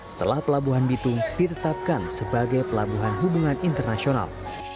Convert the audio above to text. setelah pelabuhan bitung ditetapkan sebagai pelabuhan hubungan internasional